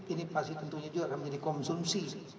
ini pasti tentunya juga akan menjadi konsumsi